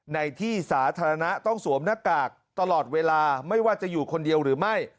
ในที่สาธารณะต้องสวมหน้ากากตลอดเวลาไม่ว่าจะอยู่คนเดียวหรือไม่